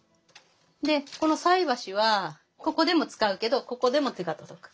でこの菜箸はここでも使うけどここでも手が届く。